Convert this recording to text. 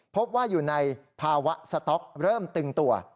พบว่าอยู่ในภาวะสต๊อกเริ่มตึงตัว